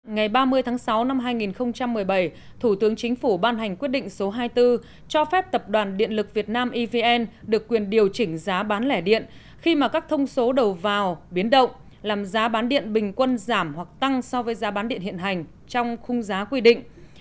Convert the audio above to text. ngày ba mươi tháng sáu năm hai nghìn một mươi bảy thủ tướng chính phủ ban hành quyết định số hai mươi bốn cho phép tập đoàn điện lực việt nam evn được quyền điều chỉnh giá bán lẻ điện khi mà các thông số đầu vào biến động làm giá bán điện bình quân giảm hoặc tăng so với giá bán điện hiện hành trong khung giá quy định